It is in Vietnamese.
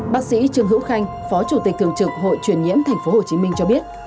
bác sĩ trương hữu khanh phó chủ tịch thường trực hội truyền nhiễm tp hcm cho biết